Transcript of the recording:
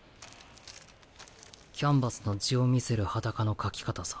キャンバスの地を見せる裸の描き方さ。